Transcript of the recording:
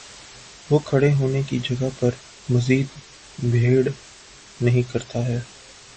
وہ کھڑے ہونے کی جگہ پر مزید بھیڑ نہیں کرتا ہے